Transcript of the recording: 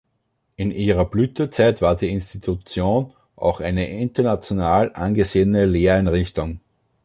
In ihrer Blütezeit war die Institution auch eine international angesehene Lehreinrichtung.